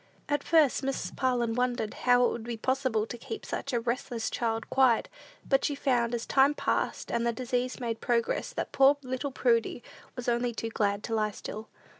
At first, Mrs. Parlin wondered how it would be possible to keep such a restless child quiet; but she found, as time passed, and the disease made progress, that poor little Prudy was only too glad to lie still.